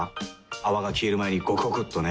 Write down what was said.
泡が消える前にゴクゴクっとね。